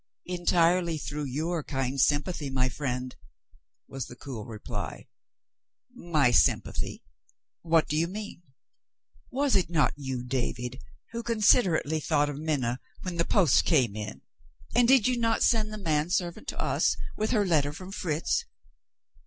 "Entirely through your kind sympathy, my friend," was the cool reply. "My sympathy? What do you mean?" "Was it not you, David, who considerately thought of Minna when the post came in? And did you not send the man servant to us, with her letter from Fritz?"